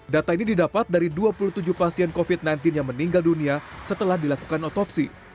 data ini didapat dari dua puluh tujuh pasien covid sembilan belas yang meninggal dunia setelah dilakukan otopsi